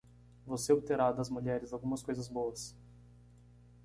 Você obterá das mulheres algumas coisas boas.